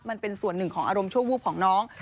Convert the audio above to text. มันเป็นส่วนหนึ่งของอารมณ์ชั่ววูบของน้อง